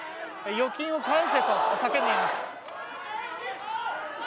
預金を返せと叫んでいます。